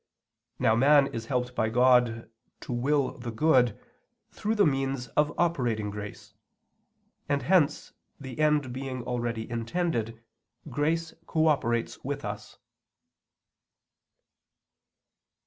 Now man is helped by God to will the good, through the means of operating grace. And hence, the end being already intended, grace cooperates with us.